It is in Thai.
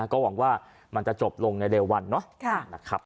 ก็หวังว่ามันจะจบลงในเร็ววันเนาะนะครับ